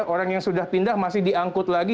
orang yang sudah pindah masih diangkut lagi